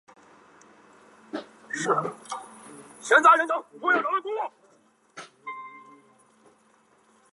明朝洪武十三年改为屯田清吏司。